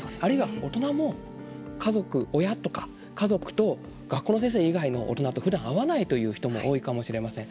大人も家族、親とか家族と学校の先生以外の大人とふだん会わないという人も多いかもしれません。